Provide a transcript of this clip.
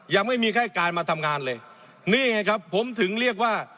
ยังไม่มีแค่การมาทำงานเลยนี่ไงครับผมถึงเรียกว่า